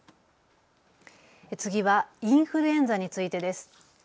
次はインフルエンザについてです。